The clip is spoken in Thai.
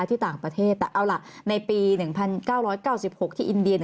ที่ต่างประเทศแต่เอาล่ะในปี๑๙๙๖ที่อินเดีย